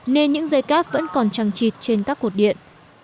nên những dây cáp vẫn còn trăng trịt trên các cột điện